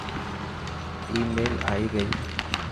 آي ميل ائي گئي.